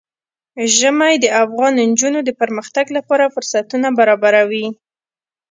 ژمی د افغان نجونو د پرمختګ لپاره فرصتونه برابروي.